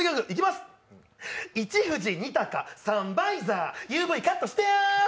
一富士二鷹三バイザーＵＶカットして！